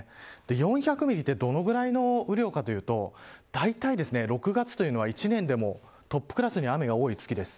４００ミリってどのぐらいの雨量かというとだいたい６月というのは１年でもトップクラスに雨が多い月です。